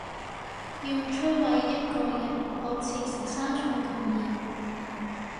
要摧毁一個人好似食生菜咁易